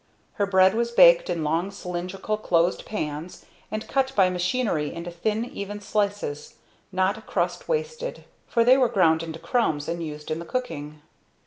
Her bread was baked in long cylindrical closed pans, and cut by machinery into thin even slices, not a crust wasted; for they were ground into crumbs and used in the cooking.